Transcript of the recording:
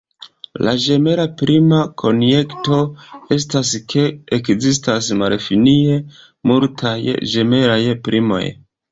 La ĝemela prima konjekto estas, ke ekzistas malfinie multaj ĝemelaj primoj.